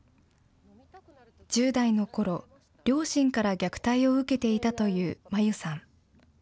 １０代のころ、両親から虐待を受けていたというまゆさん。